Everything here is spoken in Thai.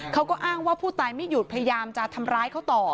เขาก็อ้างว่าผู้ตายไม่หยุดพยายามจะทำร้ายเขาต่อ